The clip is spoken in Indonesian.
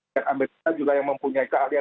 amerika juga yang mempunyai keahlian